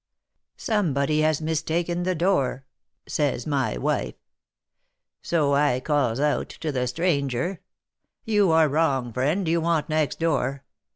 'Somebody has mistaken the door,' says my wife. So I calls out to the stranger, 'You are wrong, friend, you want next door.'